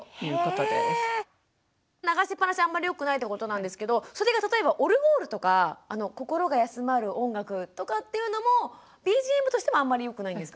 流しっぱなしあんまりよくないってことなんですけどそれが例えばオルゴールとか心が休まる音楽とかっていうのもＢＧＭとしてもあんまりよくないんですか？